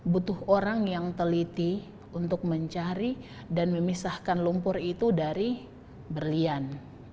butuh orang yang teliti untuk mencari dan memisahkan lumpur itu dari berlian